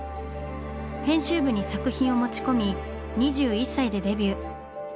編集部に作品を持ち込み２１歳でデビュー。